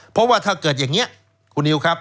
เพราะว่าถ้าเกิดอย่างนี้คุณนิวครับ